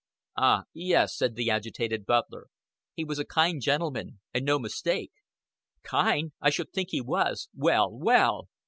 "Ah, yes," said the agitated butler, "he was a kind gentleman, and no mistake." "Kind! I should think he was. Well, well!"